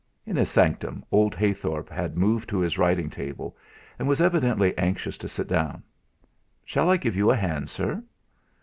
In his sanctum old Heythorp had moved to his writing table, and was evidently anxious to sit down. "Shall I give you a hand, sir?"